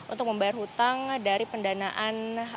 untuk membayar hutang dari pendanaan